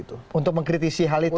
untuk mengkritisi hal itu